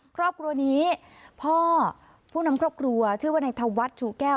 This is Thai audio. ครอบครัวนี้พ่อผู้นำครอบครัวชื่อว่าในธวัฒน์ชูแก้ว